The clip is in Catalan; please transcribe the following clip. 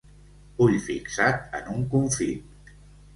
Ull fixat en un confit.